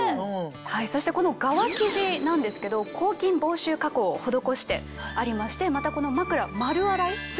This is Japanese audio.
そしてこの側生地なんですけど抗菌防臭加工を施してありましてまたこのまくら。